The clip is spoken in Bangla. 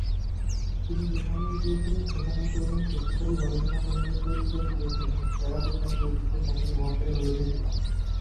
তিনি যেখানেই গিয়েছিলেন, সেখানেই তরুণ, শক্তিশালী গবেষণা কর্মীদের তৈরী করে গিয়েছিলেন, যারা তার বৈজ্ঞানিক ঐতিহ্যের মশাল বহনকারী হয়ে উঠেছিল।